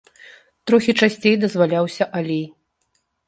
Трохі часцей дазваляўся алей.